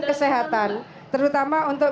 kesehatan terutama untuk